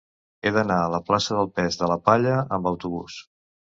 He d'anar a la plaça del Pes de la Palla amb autobús.